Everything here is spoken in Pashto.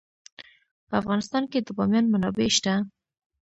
په افغانستان کې د بامیان منابع شته.